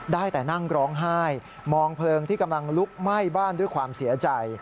ได้แต่นั่งร้องไห้มองเพลิงที่กำลังลุกไหม้บ้านด้วยความเสียใจ